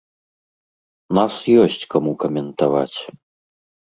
Нас ёсць каму каментаваць.